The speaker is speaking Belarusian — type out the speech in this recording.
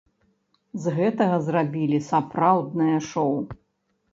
З гэтага зрабілі сапраўднае шоў!